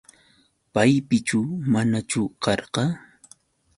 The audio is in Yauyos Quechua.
¿Paypichu manachu karqa?